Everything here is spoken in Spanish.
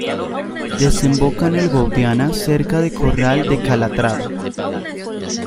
Desemboca en el Guadiana cerca de Corral de Calatrava.